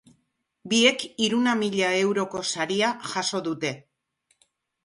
Biek hiruna mila euroko saria jaso dute.